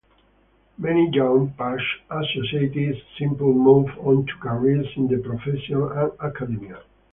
Many young Push associates simply moved on to careers in the professions and academia.